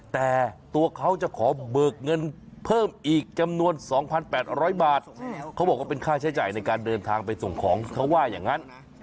แต่ตัวเขาจะขอเบิกเงินเพิ่มอีกจำนวน๒๘๐๐บาทเขาบอกว่าเป็นค่าใช้จ่ายในการเดินทางไปส่งของเขาว่าอย่างนั้น